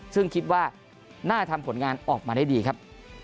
ซึ่งคิดว่าน่าทำผลงานออกมาได้ดีครับ